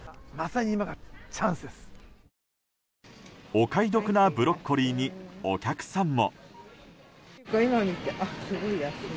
お買い得なブロッコリーにお客さんも。